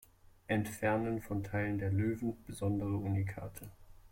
Entfernen von Teilen der Löwen besondere Unikate.